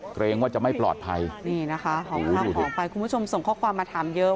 เกรงว่าจะไม่ปลอดภัยคุณผู้ชมส่งข้อความมาถามเยอะ